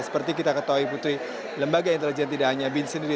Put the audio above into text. seperti kita ketahui putri lembaga intelijen tidak hanya bin sendiri